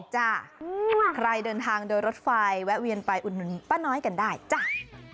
ใครเดินทางโดยรถไฟแวะเวียนไปอุดหนุนป้าน้อยกันได้จ้า